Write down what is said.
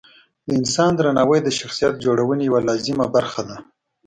د انسان درناوی د شخصیت جوړونې یوه لازمه برخه ده.